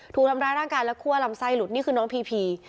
ถูกทำร้ายร่างกายและคั่วลำไส้หลุดนี่คือน้องพีพี